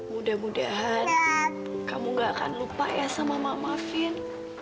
mudah mudahan kamu gak akan lupa ya sama mama fin